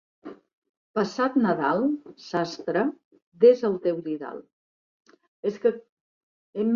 Passat Nadal, sastre, desa el teu didal.